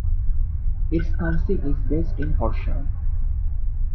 Its council is based in Horsham.